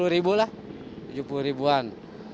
rp tujuh puluh lah rp tujuh puluh an